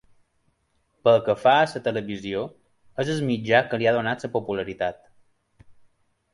Pel que fa a la televisió, és el mitjà que li ha donat la popularitat.